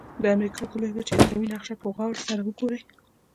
د امریکا د لویې وچې اقلیمي نقشه په غور سره وګورئ.